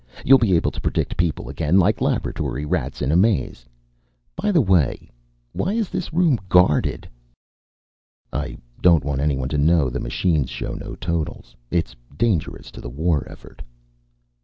You'll be able to predict people again, like laboratory rats in a maze. By the way why is this room guarded?" "I don't want anyone to know the machines show no totals. It's dangerous to the war effort."